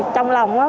trong lòng á